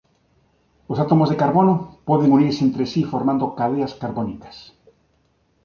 Os átomos de carbono poden unirse entre si formando cadeas carbónicas.